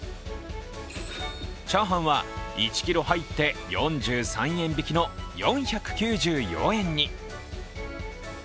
チャーハンは１ｋｇ入って４３円引きの４９４円に。